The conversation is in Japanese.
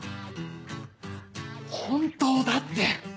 本当だって！